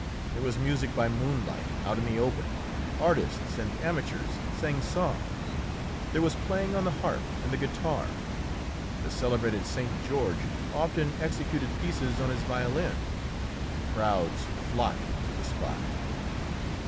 There was music by moonlight, out in the open; artists and amateurs sang songs; there was playing on the harp and the guitar; the celebrated Saint Georges often executed pieces on his violin. Crowds flocked to the spot.